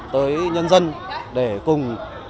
tới nhân dân để cùng